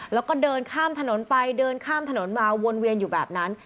แล้วก็เดินข้ามถนนไปเดินข้ามถนนมาวนเวียนอยู่แบบนั้น